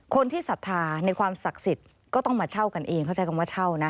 ศรัทธาในความศักดิ์สิทธิ์ก็ต้องมาเช่ากันเองเขาใช้คำว่าเช่านะ